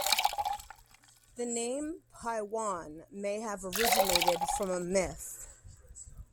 The name "Paiwan" may have originated from a myth.